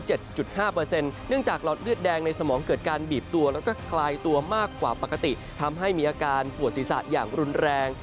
เนื่องจากหลอดเลือดแดงในสมองเกิดการบีบตัวแล้วก็คลายตัวมากกว่าปกติทำให้มีอาการปวดศีรษะอย่างรุนแรง